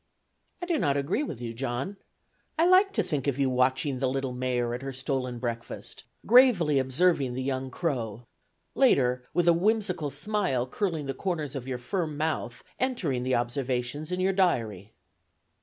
I do not agree with you, John. I like to think of you watching the little mare at her stolen breakfast, gravely observing the young crow; later, with a whimsical smile curling the corners of your firm mouth, entering the observations in your diary.